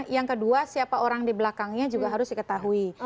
yang kedua siapa orang di belakangnya juga harus diketahui